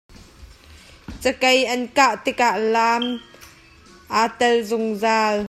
Cakei an kah tikah laam aa tel zungzal.